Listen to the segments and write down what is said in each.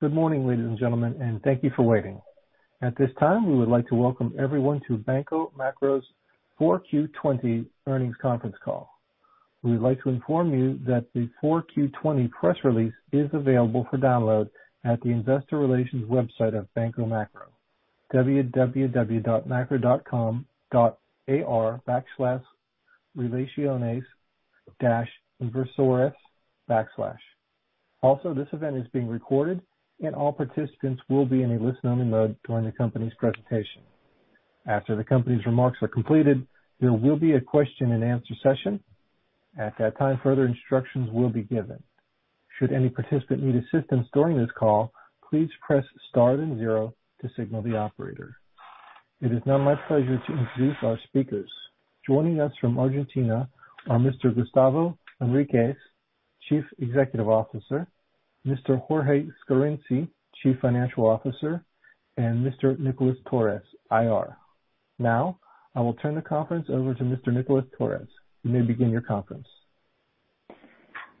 Good morning, ladies and gentlemen, and thank you for waiting. At this time, we would like to welcome everyone to Banco Macro's Q4 2020 earnings conference call. We would like to inform you that the Q4 2020 press release is available for download at the investor relations website of Banco Macro, www.macro.com.ar/relaciones-inversores/. This event is being recorded, and all participants will be in a listen-only mode during the company's presentation. After the company's remarks are completed, there will be a question and answer session. At that time, further instructions will be given. Should any participant need assistance during this call, please press star and zero to signal the operator. It is now my pleasure to introduce our speakers. Joining us from Argentina are Mr. Gustavo Manriquez, Chief Executive Officer, Mr. Jorge Scarinci, Chief Financial Officer, and Mr. Nicolás Torres, IR. Now, I will turn the conference over to Mr. Nicolás Torres. You may begin your conference.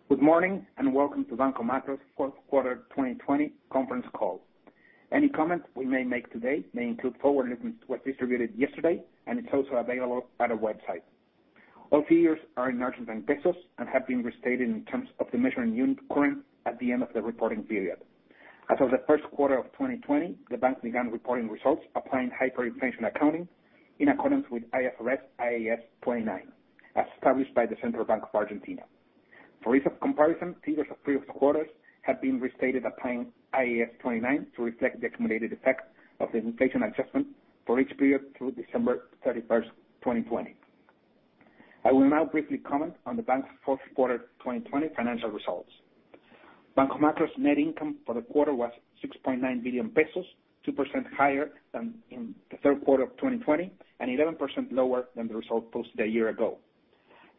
Good morning and welcome to Banco Macro's Q4 2020 conference call. Any comments we may make today may include forward-looking statements distributed yesterday, and it is also available at our website. All figures are in Argentine pesos and have been restated in terms of the measuring unit current at the end of the reporting period. As of Q1 of 2020, the bank began reporting results applying hyperinflation accounting in accordance with IFRS IAS 29, as established by the Central Bank of Argentina. For ease of comparison, figures of previous quarters have been restated applying IAS 29 to reflect the accumulated effect of the inflation adjustment for each period through December 31st, 2020. I will now briefly comment on the bank's Q4 2020 financial results. Banco Macro's net income for the quarter was 6.9 billion pesos, 2% higher than in Q3 of 2020 and 11% lower than the result posted a year ago.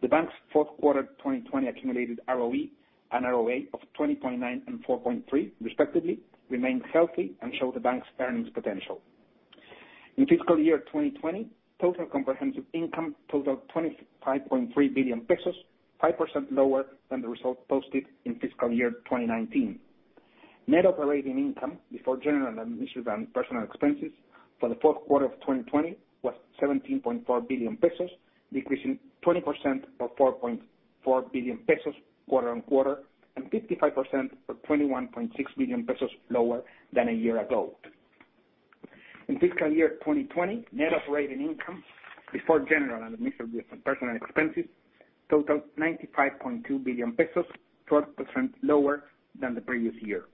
The bank's Q4 2020 accumulated ROE and ROA of 20.9% and 4.3%, respectively, remain healthy and show the bank's earnings potential. In fiscal year 2020, total comprehensive income totaled 25.3 billion pesos, 5% lower than the result posted in fiscal year 2019. Net operating income before general and administrative and personnel expenses for Q4 of 2020 was 17.4 billion pesos, decreasing 20% or 4.4 billion pesos quarter-on-quarter, and 55% or 21.6 billion pesos lower than a year ago. In fiscal year 2020, net operating income before general and administrative and personnel expenses totaled 95.2 billion pesos, 12% lower than the previous year.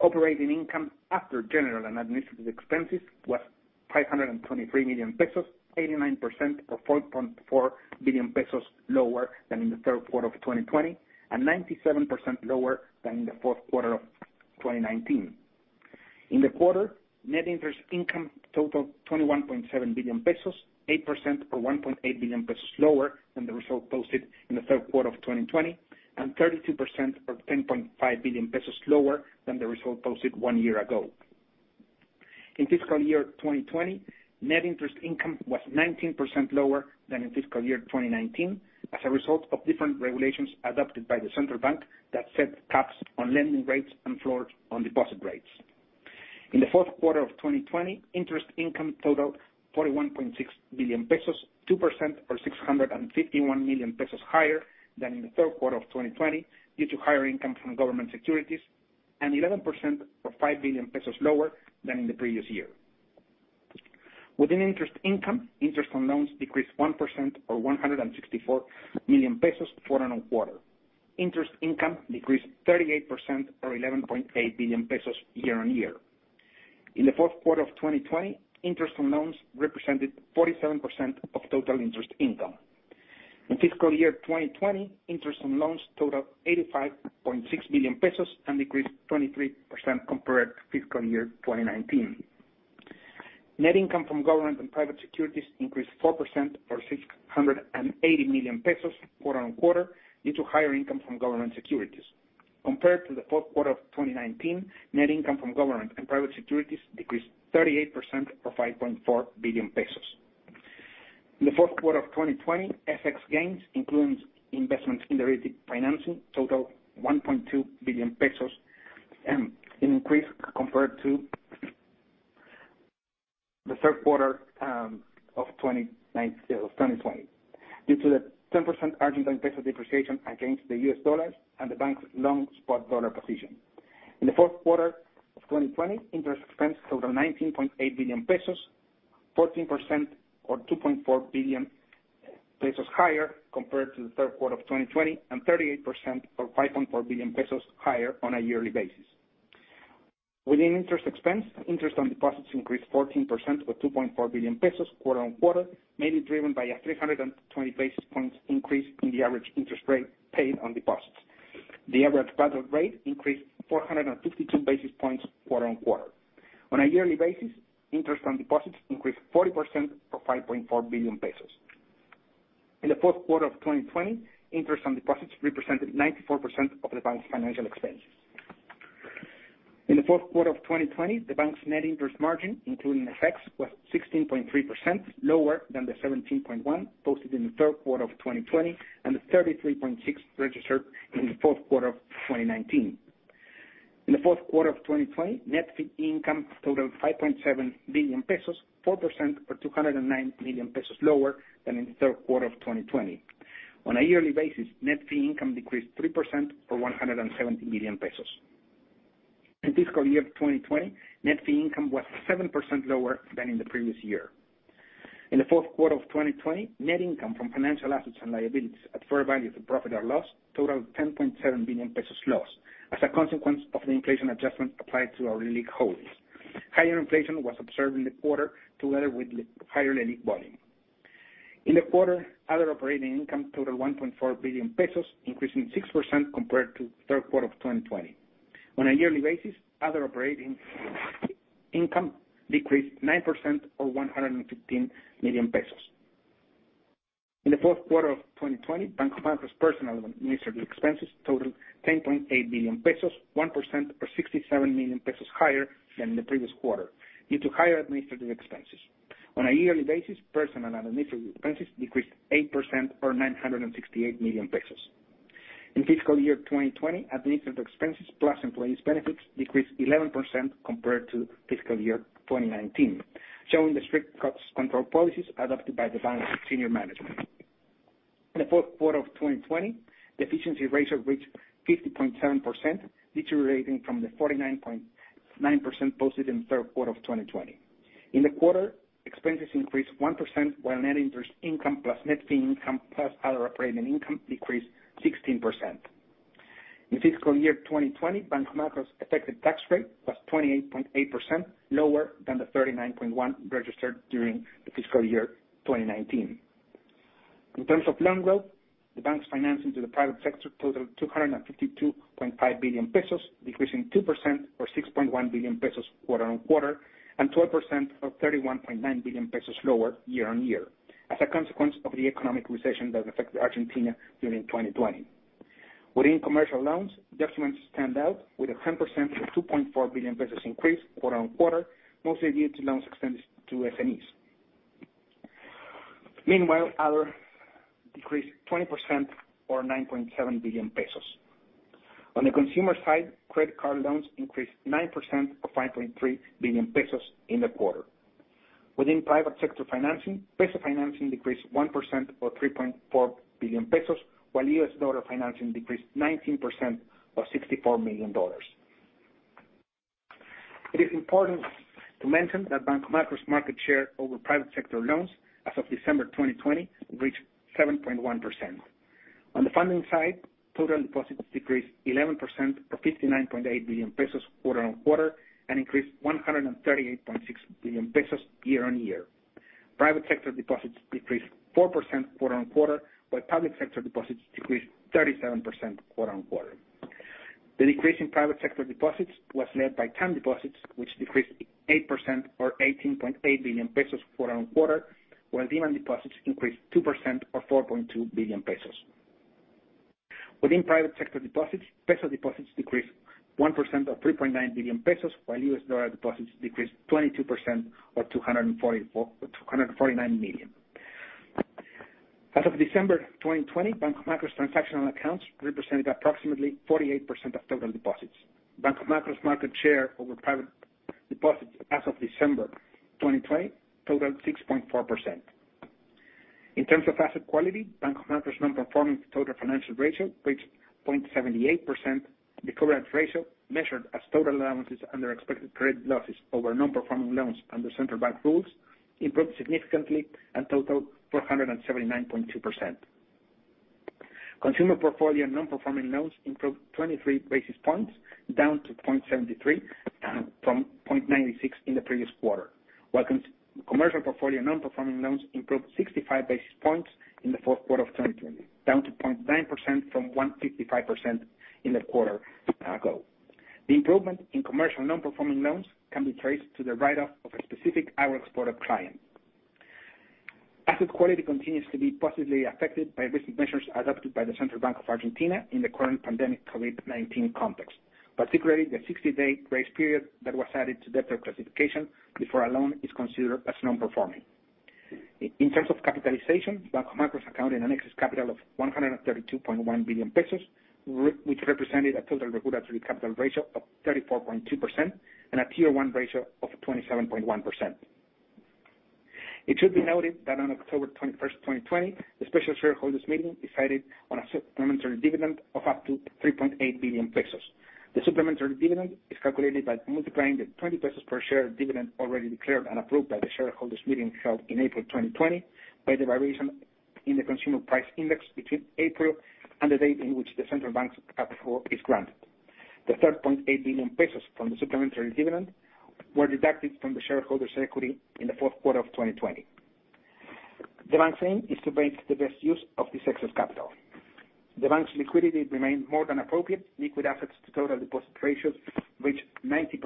Operating income after general and administrative expenses was 523 million pesos, 89% or 4.4 billion pesos lower than in Q3 of 2020, and 97% lower than in Q4 of 2019. In the quarter, net interest income totaled 21.7 billion pesos, 8% or 1.8 billion pesos lower than the result posted in Q3 of 2020, and 32% or 10.5 billion pesos lower than the result posted one year ago. In fiscal year 2020, net interest income was 19% lower than in fiscal year 2019 as a result of different regulations adopted by the central bank that set caps on lending rates and floors on deposit rates. In Q4 of 2020, interest income totaled 41.6 billion pesos, 2% or 651 million pesos higher than in Q3 of 2020 due to higher income from government securities, and 11% or 5 billion pesos lower than in the previous year. Within interest income, interest on loans decreased 1% or 164 million pesos quarter-on-quarter. Interest income decreased 38% or 11.8 billion pesos year-on-year. In Q4 of 2020, interest on loans represented 47% of total interest income. In fiscal year 2020, interest on loans totaled 85.6 billion pesos and decreased 23% compared to fiscal year 2019. Net income from government and private securities increased 4% or 680 million pesos quarter-on-quarter due to higher income from government securities. Compared to Q4 of 2019, net income from government and private securities decreased 38% or 5.4 billion pesos. In Q4 of 2020, FX gains, including investments in derivative financing, totaled 1.2 billion pesos, an increase compared to the Q3 of 2020 due to the 10% Argentine peso depreciation against the US dollar and the bank's long spot dollar position. In Q4 of 2020, interest expense totaled 19.8 billion pesos, 14% or 2.4 billion pesos higher compared to Q3 of 2020, and 38% or 5.4 billion pesos higher on a yearly basis. Within interest expense, interest on deposits increased 14% or 2.4 billion pesos quarter-over-quarter, mainly driven by a 320 basis points increase in the average interest rate paid on deposits. The average BADLAR rate increased 452 basis points quarter-over-quarter. On a yearly basis, interest on deposits increased 40% or 5.4 billion pesos. In Q4 of 2020, interest on deposits represented 94% of the bank's financial expenses. In Q4 of 2020, the bank's net interest margin, including effects, was 16.3%, lower than the 17.1% posted in Q3 of 2020 and the 33.6% registered in Q4 of 2019. In Q4 of 2020, net fee income totaled 5.7 billion pesos, 4% or 209 million pesos lower than in Q3 of 2020. On a yearly basis, net fee income decreased 3% or 170 million pesos. In fiscal year 2020, net fee income was 7% lower than in the previous year. In Q4 of 2020, net income from financial assets and liabilities at fair value to profit or loss totaled 10.7 billion pesos loss as a consequence of the inflation adjustment applied to our LELIQ holdings. Higher inflation was observed in the quarter, together with higher LELIQ volume. In the quarter, other operating income totaled 1.4 billion pesos, increasing 6% compared to Q3 of 2020. On a yearly basis, other operating income decreased 9% or 115 million pesos. In Q4 of 2020, Banco Macro's personal administrative expenses totaled 10.8 billion pesos, 1% or 67 million pesos higher than the previous quarter due to higher administrative expenses. On a yearly basis, personnel and administrative expenses decreased 8% or 968 million pesos. In fiscal year 2020, administrative expenses plus employees benefits decreased 11% compared to fiscal year 2019, showing the strict cost control policies adopted by the bank's senior management. In Q4 of 2020, the efficiency ratio reached 50.7%, deteriorating from the 49.9% posted in Q3 of 2020. In the quarter, expenses increased 1%, while net interest income plus net fee income plus other operating income decreased 16%. In fiscal year 2020, Banco Macro's effective tax rate was 28.8%, lower than the 39.1% registered during the fiscal year 2019. In terms of loan growth, the bank's financing to the private sector totaled 252.5 billion pesos, decreasing 2% or 6.1 billion pesos quarter-on-quarter, and 12% or 31.9 billion pesos lower year-on-year as a consequence of the economic recession that affected Argentina during 2020. Within commercial loans, documents stand out with a 10% or 2.4 billion pesos increase quarter-on-quarter, mostly due to loans extended to SMEs. Meanwhile, other decreased 20% or 9.7 billion pesos. On the consumer side, credit card loans increased 9% or 5.3 billion pesos in the quarter. Within private sector financing, peso financing decreased 1% or 3.4 billion pesos, while U.S. dollar financing decreased 19% or $64 million. It is important to mention that Banco Macro's market share over private sector loans as of December 2020 reached 7.1%. On the funding side, total deposits decreased 11% or 59.8 billion pesos quarter-on-quarter and increased 138.6 billion pesos year-on-year. Private sector deposits decreased 4% quarter-on-quarter, while public sector deposits decreased 37% quarter-on-quarter. The decrease in private sector deposits was led by term deposits, which decreased 8% or 18.8 billion pesos quarter-on-quarter, while demand deposits increased 2% or 4.2 billion pesos. Within private sector deposits, peso deposits decreased 1% or 3.9 billion pesos, while U.S. dollar deposits decreased 22% or $249 million. As of December 2020, Banco Macro's transactional accounts represented approximately 48% of total deposits. Banco Macro's market share over private deposits as of December 2020 totaled 6.4%. In terms of asset quality, Banco Macro's non-performing total financial ratio reached 0.78%. The coverage ratio, measured as total allowances under expected credit losses over non-performing loans under central bank rules, improved significantly and totaled 479.2%. Consumer portfolio non-performing loans improved 23 basis points, down to 0.73% from 0.96% in the previous quarter. While commercial portfolio non-performing loans improved 65 basis points in the fourth quarter of 2020, down to 0.9% from 1.55% in the quarter ago. The improvement in commercial non-performing loans can be traced to the write-off of a specific agro export client. Asset quality continues to be positively affected by recent measures adopted by the Central Bank of Argentina in the current pandemic COVID-19 context, particularly the 60-day grace period that was added to debtor classification before a loan is considered as non-performing. In terms of capitalization, Banco Macro has accounted an excess capital of 132.1 billion pesos, which represented a total regulatory capital ratio of 34.2% and a Tier 1 ratio of 27.1%. It should be noted that on October 21st, 2020, the special shareholders meeting decided on a supplementary dividend of up to 3.8 billion pesos. The supplementary dividend is calculated by multiplying the 20 pesos per share dividend already declared and approved by the shareholders meeting held in April 2020 by the variation in the consumer price index between April and the date in which the Central Bank's approval is granted. The 3.8 billion pesos from the supplementary dividend were deducted from the shareholders' equity in the fourth quarter of 2020. The bank's aim is to make the best use of this excess capital. The bank's liquidity remains more than appropriate. Liquid assets to total deposit ratios reached 90%.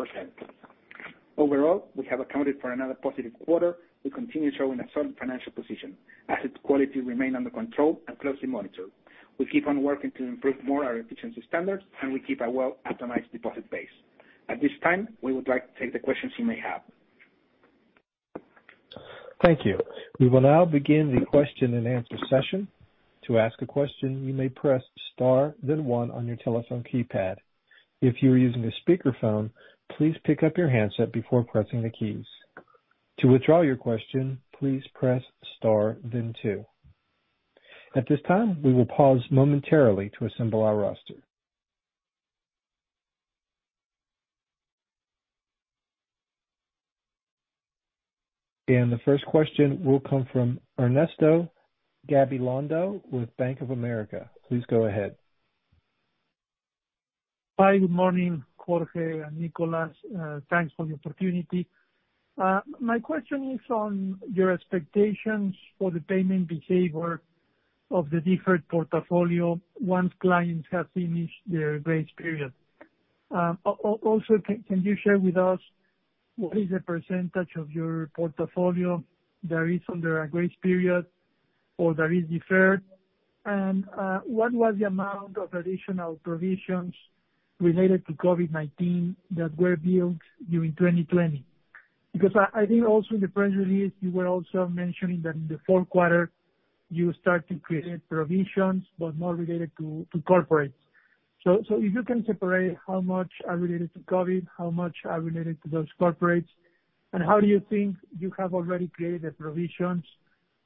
Overall, we have accounted for another positive quarter. We continue showing a solid financial position. Asset quality remain under control and closely monitored. We keep on working to improve more our efficiency standards. We keep a well-optimized deposit base. At this time, we would like to take the questions you may have. Thank you. We will now begin the question and answer session. To ask a question, you may press star then one on your telephone keypad. If you are using a speakerphone, please pick up your handset before pressing the keys. To withdraw your question, please press star then two. At this time, we will pause momentarily to assemble our roster. The first question will come from Ernesto Gabilondo with Bank of America. Please go ahead. Hi. Good morning, Jorge and Nicolás. Thanks for the opportunity. My question is on your expectations for the payment behavior of the deferred portfolio once clients have finished their grace period. Also, can you share with us what is the percentage of your portfolio that is under a grace period or that is deferred? What was the amount of additional provisions related to COVID-19 that were billed during 2020? I think also in the presentation, you were also mentioning that in the fourth quarter, you start to create provisions, but more related to corporates. If you can separate how much are related to COVID, how much are related to those corporates, and how do you think you have already created provisions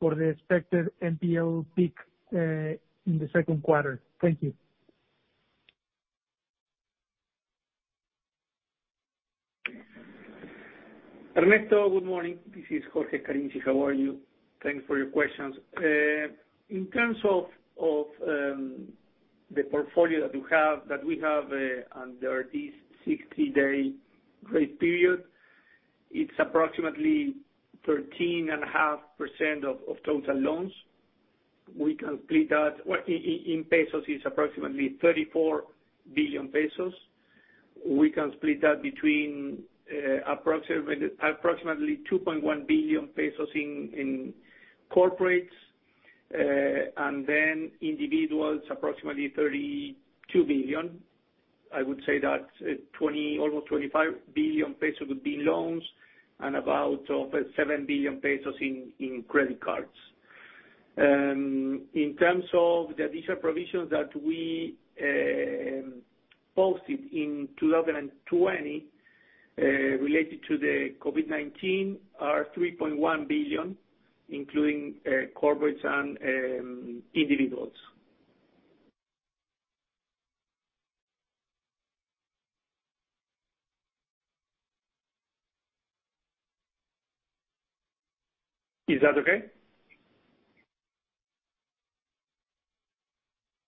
for the expected NPL peak, in Q2? Thank you. Ernesto, good morning. This is Jorge Scarinci. How are you? Thanks for your questions. In terms of the portfolio that we have under this 60-day grace period, it's approximately 13.5% of total loans. In ARS, it's approximately 34 billion pesos. We can split that between approximately 2.1 billion pesos in corporates, individuals, approximately 32 billion. I would say that almost 25 billion pesos would be in loans and about 7 billion pesos in credit card loans. In terms of the additional provisions that we posted in 2020 related to the COVID-19 are 3.1 billion, including corporates and individuals. Is that okay?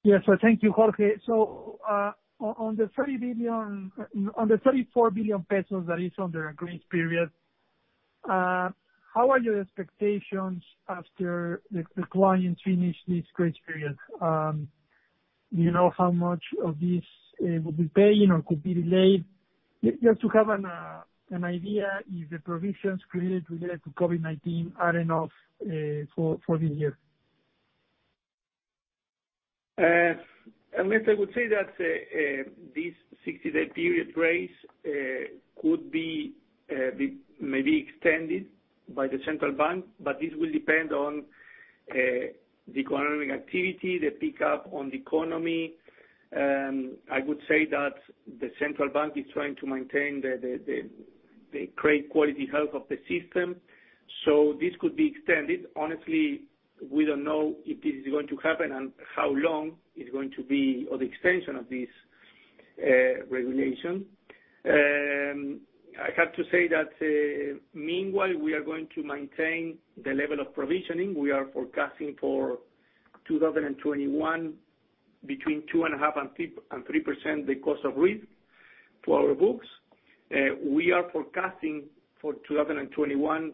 Yes. Thank you, Jorge. On the 34 billion pesos that is under a grace period, how are your expectations after the clients finish this grace period? Do you know how much of this will be paying or could be delayed? Just to have an idea if the provisions created related to COVID-19 are enough for this year. Ernesto, I would say that this 60-day period grace could be maybe extended by the Central Bank, this will depend on the economic activity, the pickup on the economy. I would say that the Central Bank is trying to maintain the great quality health of the system. This could be extended. Honestly, we don't know if this is going to happen and how long is going to be, or the extension of this regulation. I have to say that, meanwhile, we are going to maintain the level of provisioning. We are forecasting for 2021 between two and a half and 3% the cost of risk to our books. We are forecasting for 2021,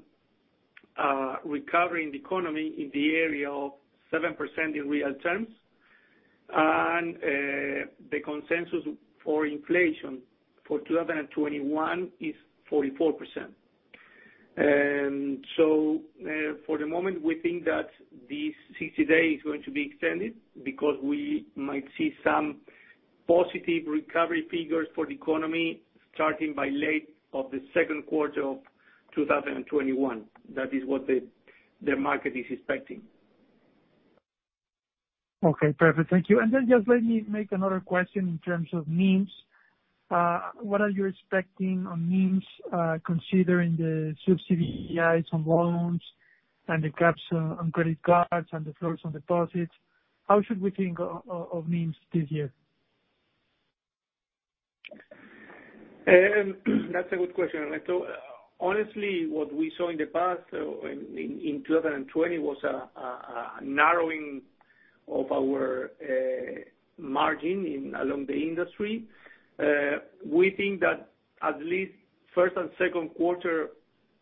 recovering the economy in the area of 7% in real terms. The consensus for inflation for 2021 is 44%. For the moment, we think that this 60 days is going to be extended because we might see some positive recovery figures for the economy starting by late of Q2 of 2021. That is what the market is expecting. Okay, perfect. Thank you. Just let me make another question in terms of NIMs. What are you expecting on NIMs, considering the subsidies on loans and the caps on credit cards and the flows on deposits? How should we think of NIMs this year? That's a good question, Ernesto. Honestly, what we saw in the past in 2020 was a narrowing of our margin along the industry. We think that at least first and second quarter,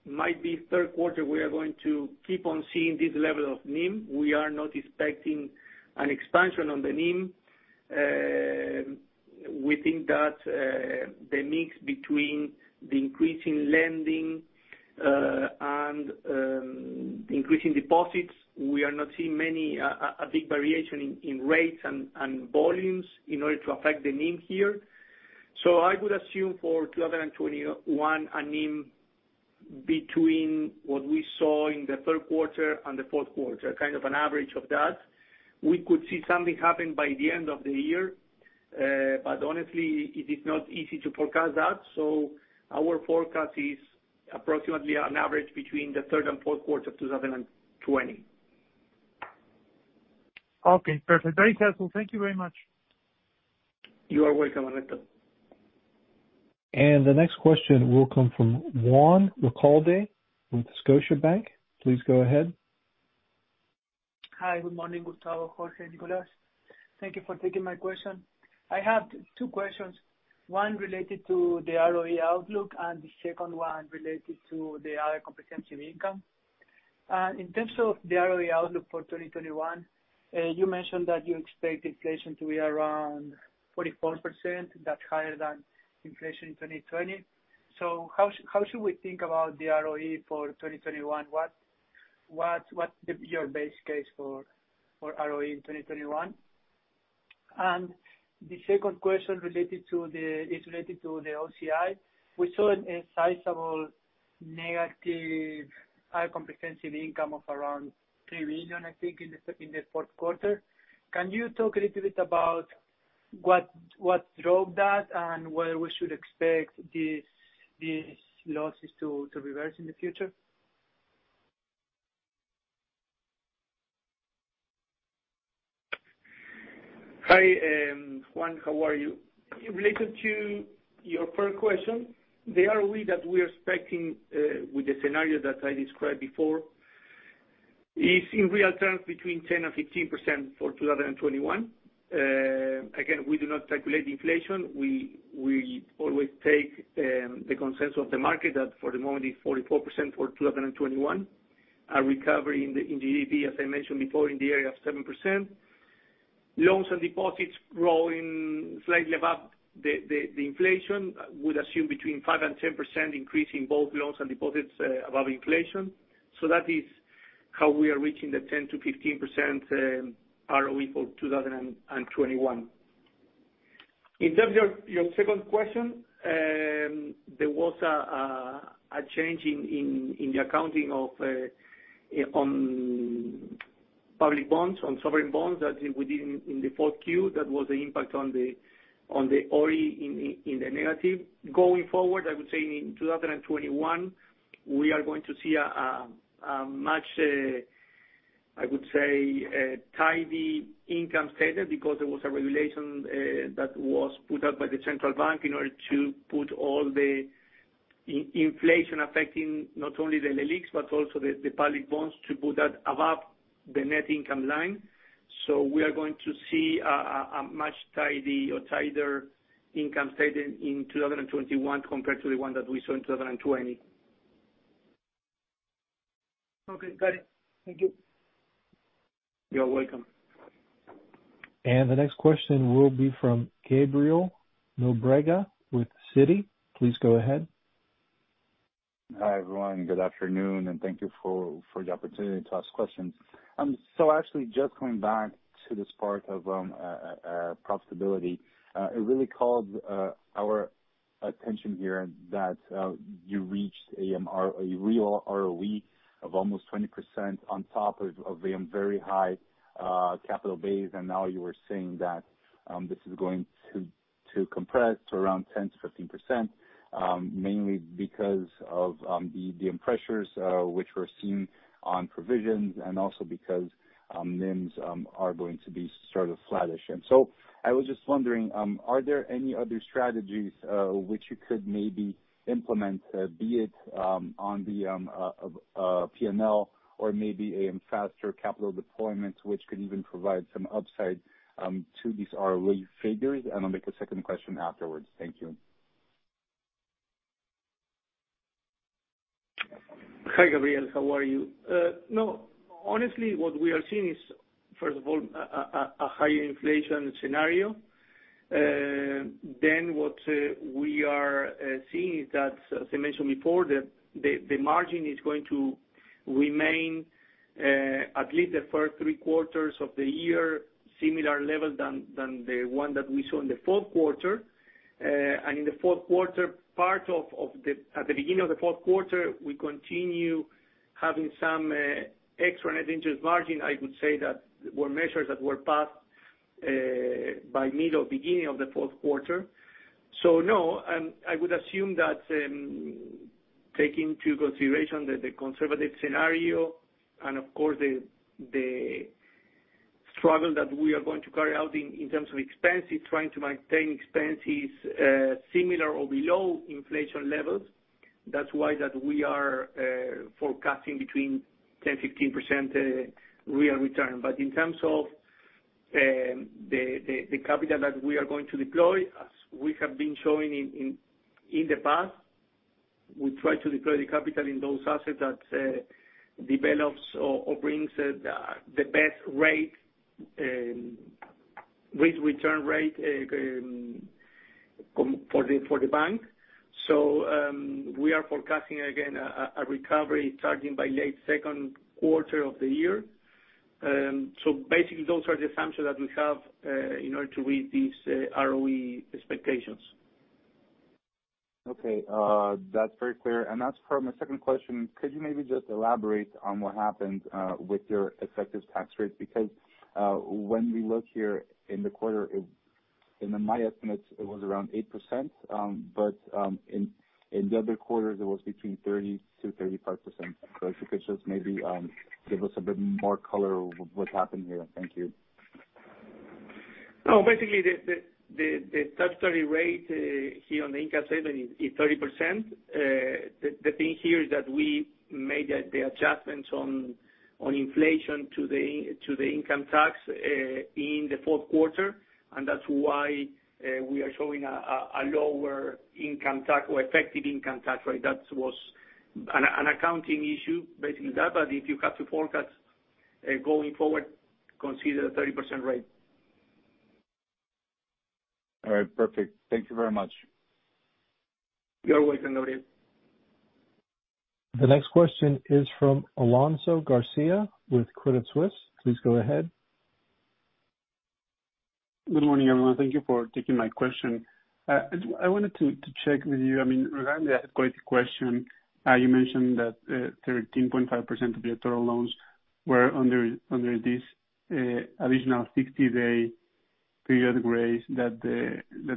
might be third quarter, we are going to keep on seeing this level of NIM. We are not expecting an expansion on the NIM. We think that the mix between the increasing lending, and increasing deposits, we are not seeing a big variation in rates and volumes in order to affect the NIM here. I would assume for 2021, a NIM between what we saw in the third quarter and the fourth quarter, kind of an average of that. We could see something happen by the end of the year. Honestly, it is not easy to forecast that, our forecast is approximately an average between Q3 and Q4 of 2020. Okay, perfect. Very helpful. Thank you very much. You are welcome, Alberto. The next question will come from Juan Recalde with Scotiabank. Please go ahead. Hi, good morning, Gustavo, Jorge, Nicolás. Thank you for taking my question. I have two questions, one related to the ROE outlook and the second one related to the OCI. In terms of the ROE outlook for 2021, you mentioned that you expect inflation to be around 44%, that's higher than inflation in 2020. How should we think about the ROE for 2021? What's your base case for ROE in 2021? The second question is related to the OCI. We saw a sizable negative comprehensive income of around 3 million, I think, in the fourth quarter. Can you talk a little bit about what drove that and whether we should expect these losses to reverse in the future? Hi, Juan. How are you? Related to your first question, the ROE that we are expecting, with the scenario that I described before, is in real terms between 10% and 15% for 2021. Again, we do not calculate inflation. We always take the consensus of the market that for the moment is 44% for 2021. A recovery in the GDP, as I mentioned before, in the area of 7%. Loans and deposits growing slightly above the inflation, would assume between 5% and 10% increase in both loans and deposits above inflation. That is how we are reaching the 10%-15% ROE for 2021. In terms of your second question, there was a change in the accounting on public bonds, on sovereign bonds, that we did in Q4. That was the impact on the OCI in the negative. Going forward, I would say in 2021, we are going to see a much, I would say, tidy income statement because there was a regulation that was put up by the central bank in order to put all the inflation affecting not only the LELIQs, but also the public bonds to put that above the net income line. We are going to see a much tidy or tidier income statement in 2021 compared to the one that we saw in 2020. Okay, got it. Thank you. You're welcome. The next question will be from Gabriel Nóbrega with Citi. Please go ahead. Hi, everyone. Good afternoon, and thank you for the opportunity to ask questions. Actually, just coming back to this part of profitability, it really called our attention here that you reached a real ROE of almost 20% on top of the very high capital base, and now you are saying that this is going to compress to around 10%-15%, mainly because of the pressures which were seen on provisions and also because NIMs are going to be sort of flattish. I was just wondering, are there any other strategies which you could maybe implement, be it on the P&L or maybe a faster capital deployment, which could even provide some upside to these ROE figures? I'll make a second question afterwards. Thank you. Hi, Gabriel. How are you? No. Honestly, what we are seeing is, first of all, a higher inflation scenario. What we are seeing is that, as I mentioned before, the margin is going to remain, at least the first three quarters of the year, similar level than the one that we saw in Q4. In Q4, at the beginning of Q4, we continue having some extra net interest margin, I would say, that were measures that were passed by middle, beginning of Q4. No, I would assume that taking into consideration that the conservative scenario and of course, the struggle that we are going to carry out in terms of expenses, trying to maintain expenses similar or below inflation levels. That's why that we are forecasting between 10% and 15% real return. In terms of the capital that we are going to deploy, as we have been showing in the past, we try to deploy the capital in those assets that develops or brings the best risk return rate for the bank. We are forecasting, again, a recovery starting by late Q2 of the year. Basically, those are the assumptions that we have in order to read these ROE expectations. Okay, that's very clear. As per my second question, could you maybe just elaborate on what happened with your effective tax rates? When we look here in the quarter, in my estimates, it was around 8%, but in the other quarters, it was between 30%-35%. If you could just maybe give us a bit more color on what happened here. Thank you. Basically, the statutory rate here on the income statement is 30%. The thing here is that we made the adjustments on inflation to the income tax in Q4. That's why we are showing a lower effective income tax rate. That was an accounting issue, basically that. If you have to forecast going forward, consider the 30% rate. All right, perfect. Thank you very much. You're welcome, Nobrega. The next question is from Alonso Garcia with Credit Suisse. Please go ahead. Good morning, everyone. Thank you for taking my question. I wanted to check with you, regarding the asset quality question, you mentioned that 13.5% of your total loans were under this additional 60-day period grace that the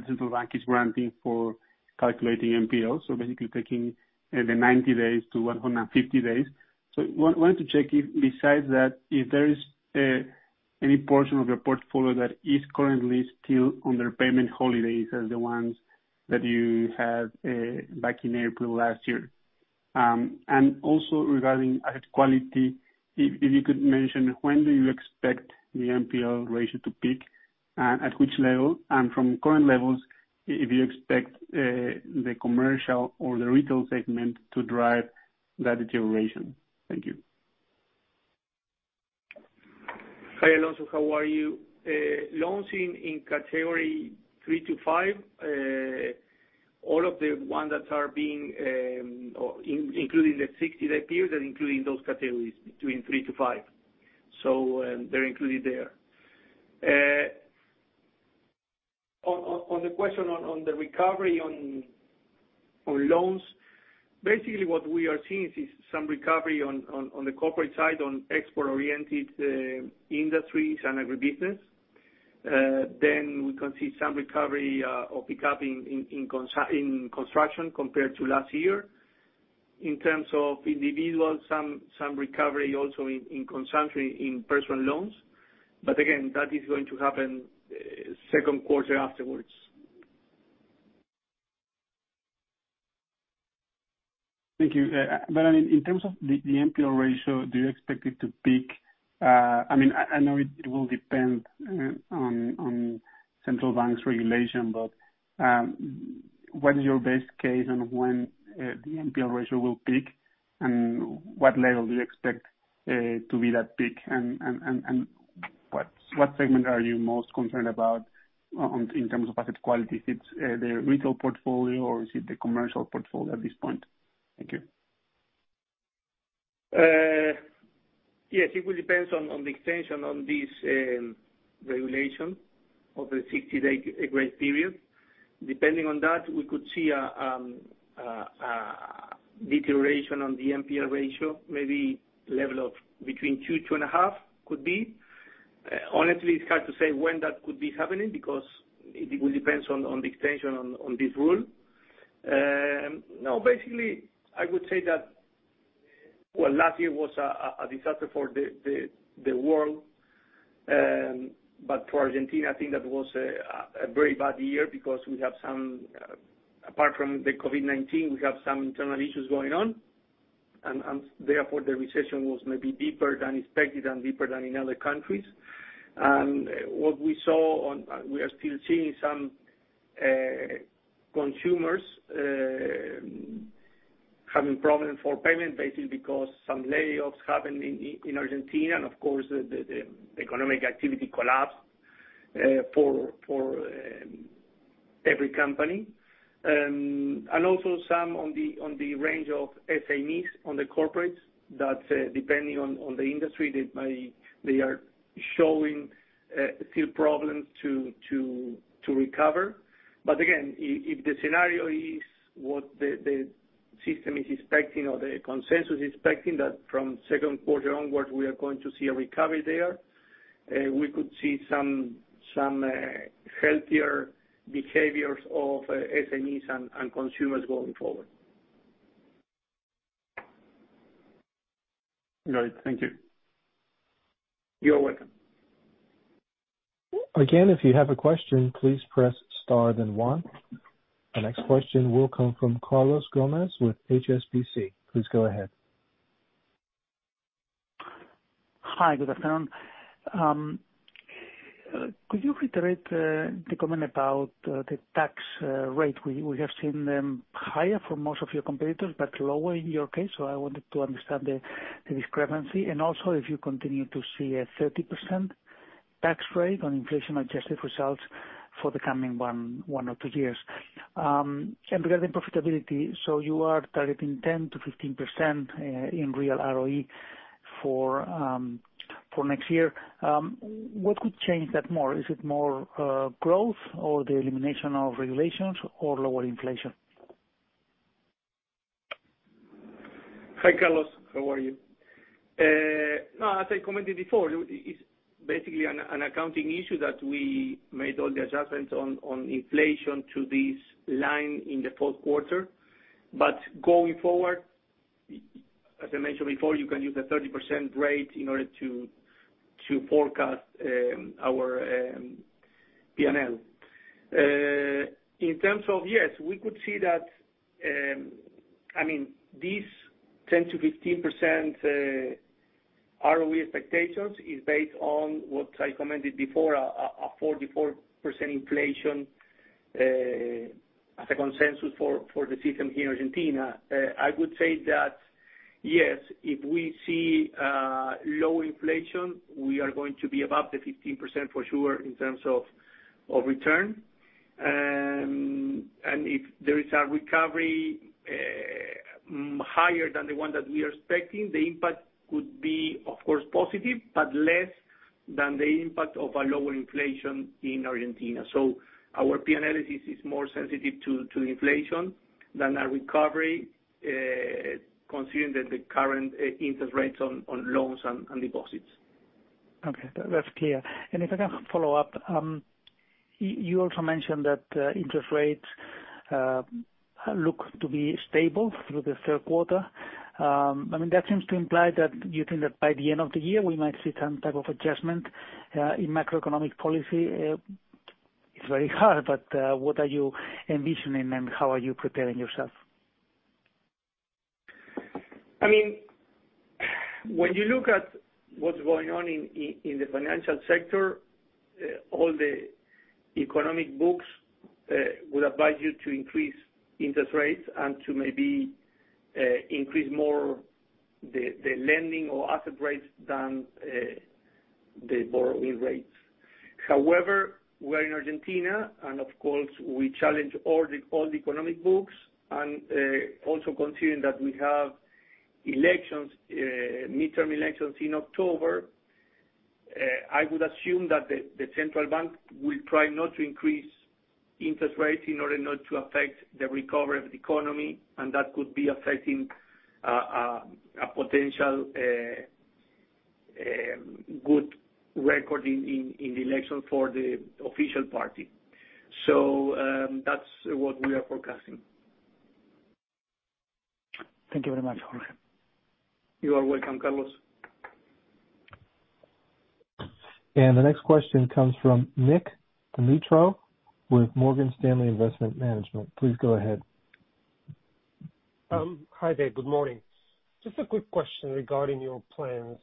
Central Bank is granting for calculating NPLs. Basically taking the 90 days to 150 days. Wanted to check if, besides that, if there is any portion of your portfolio that is currently still under payment holidays as the ones that you had back in April last year. Also regarding asset quality, if you could mention when do you expect the NPL ratio to peak, at which level, and from current levels, if you expect the commercial or the retail segment to drive that deterioration. Thank you. Hi, Alonso. How are you? Loans in category three to five, all of the ones that are being, including the 60-day period, are included in those categories between three to five. They're included there. On the question on the recovery on loans, basically what we are seeing is some recovery on the corporate side, on export-oriented industries and agribusiness. We can see some recovery or pickup in construction compared to last year. In terms of individual, some recovery also in consumption in personal loans. Again, that is going to happen second quarter afterwards. Thank you. In terms of the NPL ratio, do you expect it to peak? I know it will depend on central bank's regulation, but what is your best case on when the NPL ratio will peak, and what level do you expect to be that peak, and what segment are you most concerned about in terms of asset quality? If it's the retail portfolio or is it the commercial portfolio at this point? Thank you. Yes, it will depend on the extension on this regulation of the 60-day grace period. Depending on that, we could see a deterioration on the NPL ratio, maybe level of between two, 2.5 could be. Honestly, it's hard to say when that could be happening because it will depend on the extension on this rule. Now, basically, I would say that, well, last year was a disaster for the world. For Argentina, I think that was a very bad year because apart from the COVID-19, we have some internal issues going on, and therefore the recession was maybe deeper than expected and deeper than in other countries. What we saw, and we are still seeing some consumers having problems for payment, basically because some layoffs happened in Argentina, and of course, the economic activity collapsed for every company. Also some on the range of SMEs on the corporates, that depending on the industry, they are showing still problems to recover. Again, if the scenario is what the system is expecting or the consensus is expecting, that from second quarter onwards, we are going to see a recovery there. We could see some healthier behaviors of SMEs and consumers going forward. Great. Thank you. You're welcome. Again, if you have a question, please press star then one. The next question will come from Carlos Gomez-Lopez with HSBC. Please go ahead. Hi, good afternoon. Could you reiterate the comment about the tax rate? We have seen them higher for most of your competitors, but lower in your case, so I wanted to understand the discrepancy, and also if you continue to see a 30% tax rate on inflation-adjusted results for the coming one or two years. Regarding profitability, so you are targeting 10%-15% in real ROE for next year. What could change that more? Is it more growth or the elimination of regulations or lower inflation? Hi, Carlos, how are you? As I commented before, it's basically an accounting issue that we made all the adjustments on inflation to this line in Q4. Going forward, as I mentioned before, you can use the 30% rate in order to forecast our P&L. In terms of, yes, we could see that this 10%-15% ROE expectations is based on what I commented before, a 44% inflation as a consensus for the system here in Argentina. I would say that, yes, if we see low inflation, we are going to be above the 15% for sure in terms of return. If there is a recovery higher than the one that we are expecting, the impact could be, of course, positive, but less than the impact of a lower inflation in Argentina. Our P&L is more sensitive to inflation than a recovery, considering that the current interest rates on loans and deposits. Okay, that's clear. If I can follow up, you also mentioned that interest rates look to be stable through the third quarter. That seems to imply that you think that by the end of the year, we might see some type of adjustment in macroeconomic policy. It's very hard, but what are you envisioning, and how are you preparing yourself? When you look at what's going on in the financial sector, all the economic books will advise you to increase interest rates and to maybe increase more the lending or asset rates than the borrowing rates. However, we're in Argentina, and of course, we challenge all the economic books. Also considering that we have midterm elections in October, I would assume that the central bank will try not to increase interest rates in order not to affect the recovery of the economy, and that could be affecting a potential good record in the election for the official party. That's what we are forecasting. Thank you very much, Jorge. You are welcome, Carlos. The next question comes from Nick Dimitrov with Morgan Stanley Investment Management. Please go ahead. Hi there. Good morning. Just a quick question regarding your plans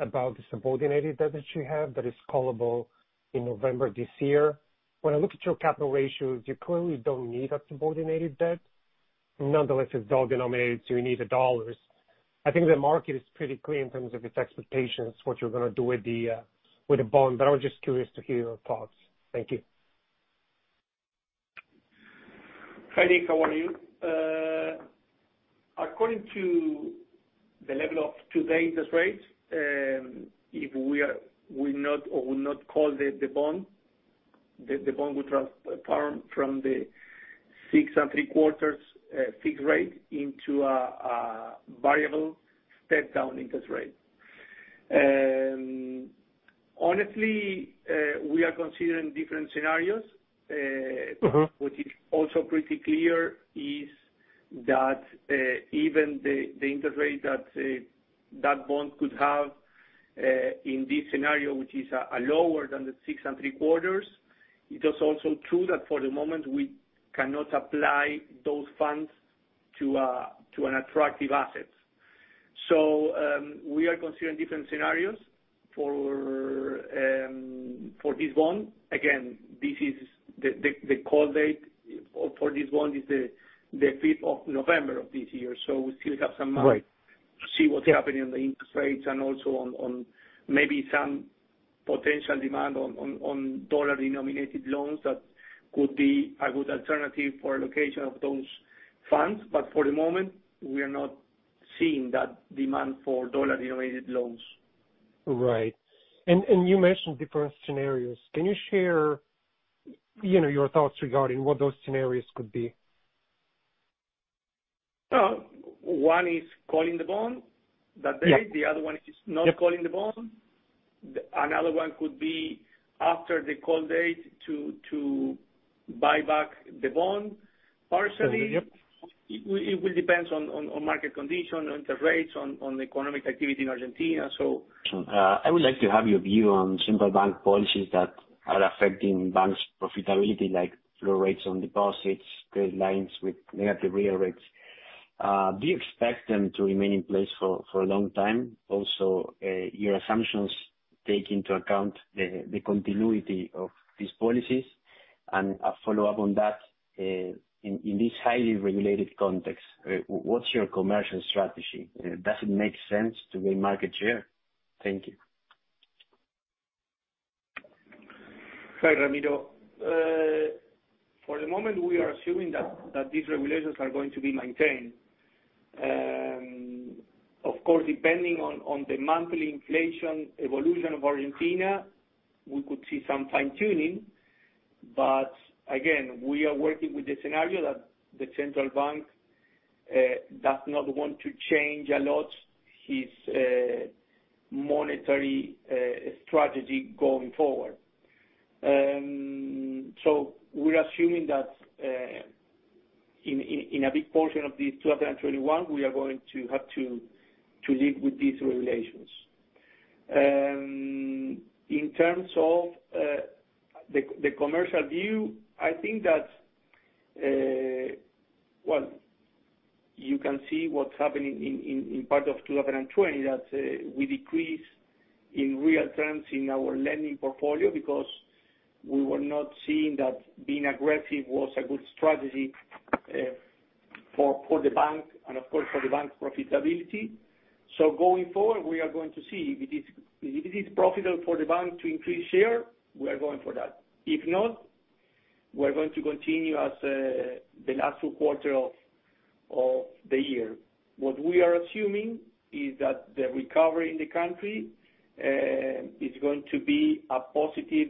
about the subordinated debt that you have that is callable in November this year. When I look at your capital ratios, you clearly don't need a subordinated debt. Nonetheless, it's dollar-denominated, so you need the dollars. I think the market is pretty clear in terms of its expectations, what you're going to do with the bond, but I was just curious to hear your thoughts. Thank you. Hi, Nick. How are you? According to the level of today interest rates, if we not or would not call the bond, the bond would transform from the six and three quarters fixed rate into a variable step-down interest rate. Honestly, we are considering different scenarios. What is also pretty clear is that even the interest rate that bond could have, in this scenario, which is lower than the six and three quarters, it is also true that for the moment, we cannot apply those funds to an attractive asset. We are considering different scenarios for this bond. Again, the call date for this bond is the 5th of November of this year, so we still have some months Right ...to see what's happening in the interest rates and also on maybe some potential demand on dollar-denominated loans that could be a good alternative for allocation of those funds. For the moment, we are not seeing that demand for dollar-denominated loans. Right. You mentioned different scenarios. Can you share your thoughts regarding what those scenarios could be? One is calling the bond that day. Yeah. The other one is not calling the bond. Another one could be after the call date to buy back the bond partially. Yep. It will depends on market condition, on interest rates, on the economic activity in Argentina. I would like to have your view on central bank policies that are affecting banks' profitability, like floor rates on deposits, credit lines with negative real rates. Do you expect them to remain in place for a long time? Also, your assumptions take into account the continuity of these policies? A follow-up on that, in this highly regulated context, what's your commercial strategy? Does it make sense to gain market share? Thank you. Hi, Ramiro. For the moment, we are assuming that these regulations are going to be maintained. Of course, depending on the monthly inflation evolution of Argentina, we could see some fine-tuning. Again, we are working with the scenario that the central bank does not want to change a lot its monetary strategy going forward. We are assuming that in a big portion of this 2021, we are going to have to live with these regulations. In terms of the commercial view, you can see what's happening in part of 2020, that we decreased in real terms in our lending portfolio because we were not seeing that being aggressive was a good strategy for the bank and, of course, for the bank profitability. Going forward, we are going to see. If it is profitable for the bank to increase share, we are going for that. If not, we are going to continue as the last two quarter of the year. What we are assuming is that the recovery in the country is going to be a positive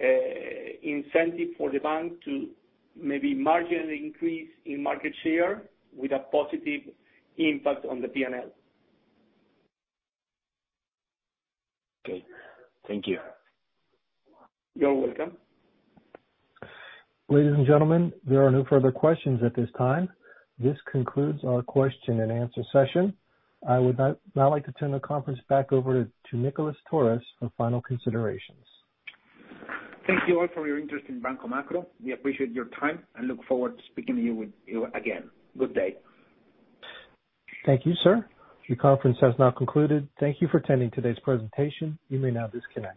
incentive for the bank to maybe marginally increase in market share with a positive impact on the P&L. Okay. Thank you. You're welcome. Ladies and gentlemen, there are no further questions at this time. This concludes our question-and-answer session. I would now like to turn the conference back over to Nicolás Torres for final considerations. Thank you all for your interest in Banco Macro. We appreciate your time and look forward to speaking with you again. Good day. Thank you, sir. The conference has now concluded. Thank you for attending today's presentation. You may now disconnect.